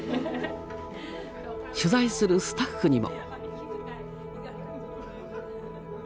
取材するスタッフにも。